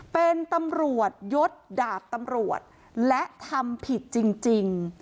เป็นตำรวจยศดาบตำรวจและทำผิดจริง